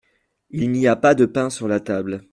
Il n’y a pas de pain sur la table.